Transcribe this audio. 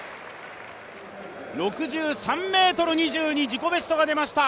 ６３ｍ２２、自己ベストが出ました。